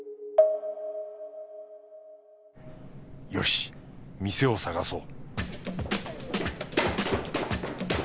よし店を探そう